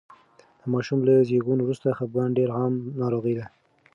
د ماشوم له زېږون وروسته خپګان ډېره عامه ناروغي ده.